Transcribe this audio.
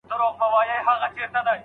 هغه په ګڼ ځای کي د ږغ سره ډوډۍ نه راوړي.